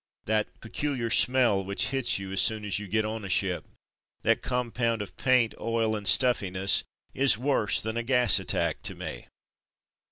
That peculiar smell which hits you as soon as you get on a ship, that compound of paint, oil, and stuffiness is worse than a gas attack to me.